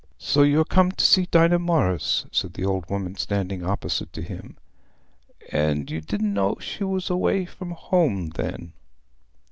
"So you're come to see Dinah Morris?" said the old woman, standing opposite to him. "An' you didn' know she was away from home, then?"